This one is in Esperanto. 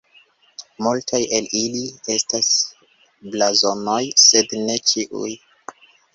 Multaj el ili estas blazonoj, sed ne ĉiuj.